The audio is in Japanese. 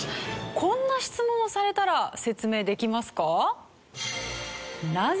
こんな質問をされたら説明できますか？